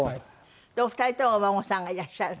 でお二人ともお孫さんがいらっしゃる？